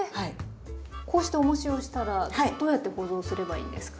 こうしておもしをしたらどうやって保存すればいいんですか？